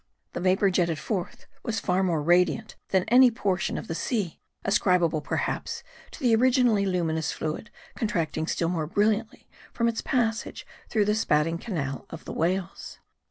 The vapor jetted forth was far more radiant than any portion of the sea; ascribable perhaps to the originally luminous fluid contracting still more brilliancy from its pas sage through the spouting canal of the whales.